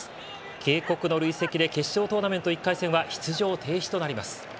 警告の累積で決勝トーナメント１回戦は出場停止となります。